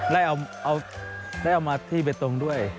แล้วเอามาที่เบตตรงด้วย